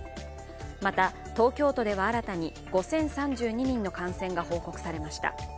また東京都では新たに５０３２人の感染が報告されました。